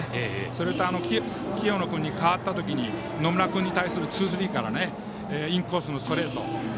それと、清野君に代わった時に野村に対するツースリーからのインコースのストレート。